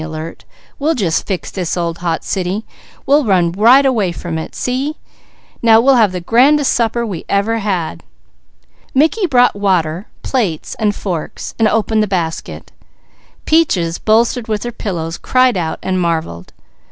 "We'll just fix this old hot city. We'll run right away from it. See? Now we'll have the grandest supper we ever had." Mickey brought water, plates, and forks, and opened the basket. Peaches bolstered with her pillows cried out and marvelled.